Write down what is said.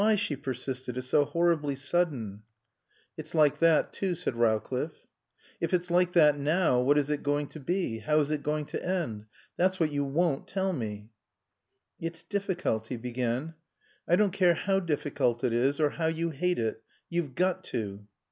she persisted. "It's so horribly sudden." "It's like that, too," said Rowcliffe. "If it's like that now what is it going to be? How is it going to end? That's what you won't tell me." "It's difficult " he began. "I don't care how difficult it is or how you hate it. You've got to."